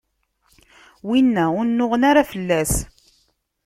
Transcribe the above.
winna, ur nnuɣen ara fell-as.